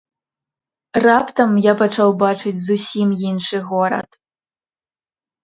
Раптам я пачаў бачыць зусім іншы горад!